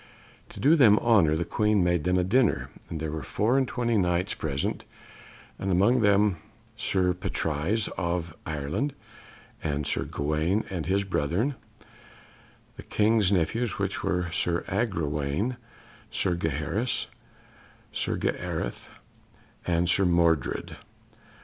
To do them honour the Queen made them a dinner; and there were four and twenty Knights present, and among them Sir Patrise of Ireland, and Sir Gawaine and his brethren, the King's nephews, which were Sir Agrawaine, Sir Gaheris, Sir Gareth, and Sir Mordred.